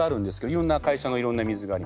いろんな会社のいろんな水があります。